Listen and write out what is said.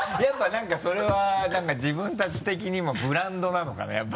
やっぱ何かそれは何か自分たち的にもブランドなのかな